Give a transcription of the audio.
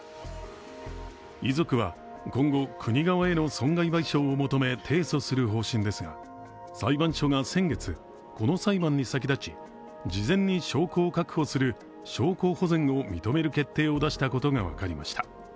遺族は今後、国側への損害賠償を求め提訴する方針ですが裁判所が先月、この裁判に先立ち事前に証拠を確保する証拠保全を認める決定を出したことが分かりました。